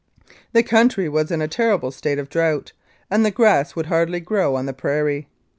The country was in a terrible state of drought, and the grass would hardly grow on the prairie.